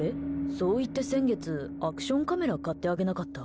そう言って先月アクションカメラ買ってあげなかった？